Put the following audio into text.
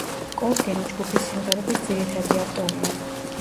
კორგენი ჯგუფის სიმღერების ძირითადი ავტორია.